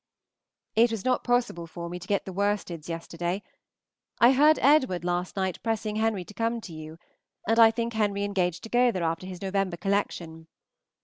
It was not possible for me to get the worsteds yesterday. I heard Edward last night pressing Henry to come to you, and I think Henry engaged to go there after his November collection.